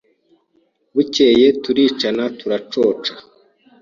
Bukeye turicana turacoca